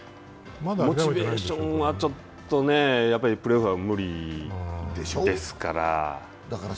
モチベーションはプレーオフは無理ですから。